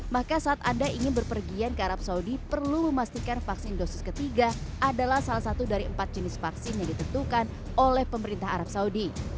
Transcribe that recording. maka saat anda ingin berpergian ke arab saudi perlu memastikan vaksin dosis ketiga adalah salah satu dari empat jenis vaksin yang ditentukan oleh pemerintah arab saudi